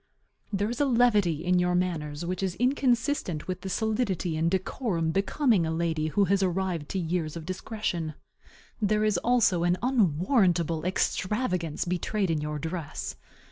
There is a levity in your manners which is inconsistent with the solidity and decorum becoming a lady who has arrived to years of discretion. There is also an unwarrantable extravagance betrayed in your dress.